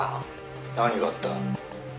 「何があった？」